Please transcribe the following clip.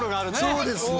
そうですね。